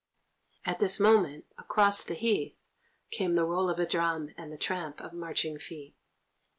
At this moment across the heath came the roll of a drum and the tramp of marching feet.